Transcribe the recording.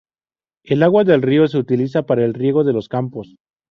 El agua del río se utiliza para el riego de los campos.